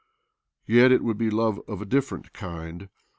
Yet it would be love of a different kind.